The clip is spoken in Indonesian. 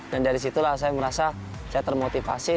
dan dari situlah saya merasa saya termotivasi